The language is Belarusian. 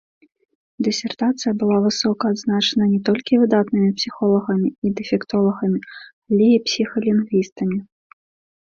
Дысертацыя была высока адзначана не толькі выдатнымі псіхолагамі і дэфектолагамі, але і псіхалінгвістамі.